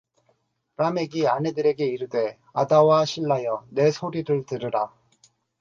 라멕이 아내들에게 이르되 아다와 씰라여 내 소리를 들으라